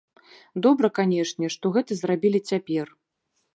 Добра, канешне, што гэта зрабілі цяпер.